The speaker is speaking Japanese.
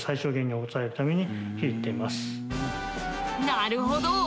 なるほど！